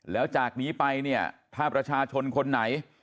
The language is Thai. แล้วจากนี้ไปเนี่ยถ้าประชาชนคนไหน